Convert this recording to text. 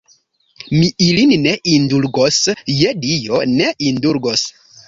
Mi ilin ne indulgos, je Dio, ne indulgos.